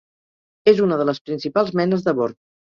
És una de les principals menes de bor.